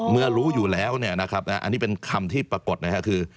เมื่อรู้อยู่แล้วอันนี้เป็นคำที่ปรากฏคือ